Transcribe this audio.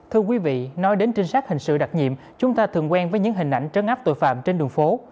thưa quý vị nói đến trinh sát hình sự đặc nhiệm chúng ta thường quen với những hình ảnh trấn áp tội phạm trên đường phố